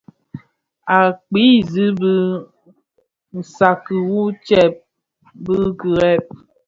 Å kpii zig bi nsàdki wu ctsee (bi kirèè).